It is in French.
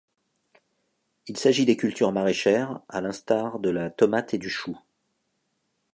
Il s’agit des cultures maraîchères à l’instar de la tomate et du chou.